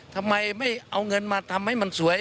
ทำไมไม่เอาเงินมาทำให้มันสวย